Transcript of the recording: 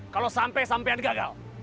kalau sampai sampai gagal